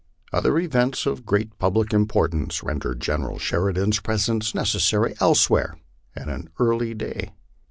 Other events of great public importance rendered General Sheridan's presence necessary elsewhere at an early day.